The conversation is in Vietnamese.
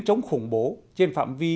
chống khủng bố trên phạm vi